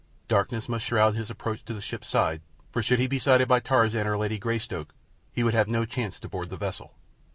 Darkness must shroud his approach to the ship's side, for should he be sighted by Tarzan or Lady Greystoke he would have no chance to board the vessel.